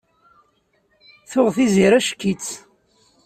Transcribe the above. Tuɣ Tiziri ack-itt.